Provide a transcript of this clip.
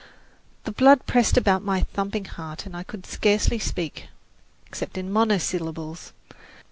The blood pressed about my thumping heart, and I could scarcely speak, except in monosyllables.